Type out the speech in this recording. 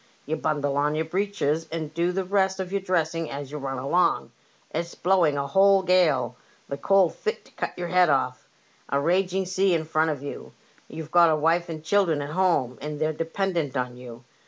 You bundle on your breeches and do the rest of your dressing as you run along. It*s blowing a whole gale, the cold fit to cut your head ofif, a raging sea in front of you. You've got a wife and children at home, and they're dependent on you.